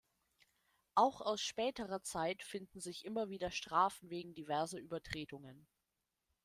Auch aus späterer Zeit finden sich immer wieder Strafen wegen diverser Übertretungen.